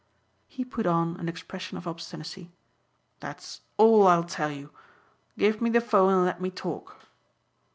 He put on an expression of obstinacy. "That's all I'll tell you. Give me the phone and let me talk."